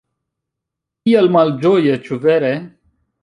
Kiel malĝoje, ĉu vere?